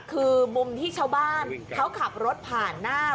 คือมุมที่ชาวบ้านเขาขับรถผ่านหน้า